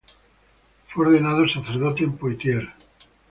Fue ordenado sacerdote en Poitiers.